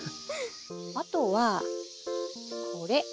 あとはこれ。